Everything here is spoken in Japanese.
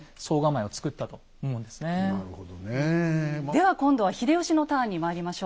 では今度は秀吉のターンにまいりましょう。